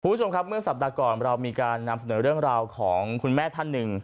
คุณผู้ชมครับเมื่อสัปดาห์ก่อนเรามีการนำเสนอเรื่องราวของคุณแม่ท่านหนึ่ง